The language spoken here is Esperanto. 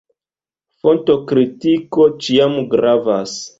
Fontokritiko ĉiam gravas.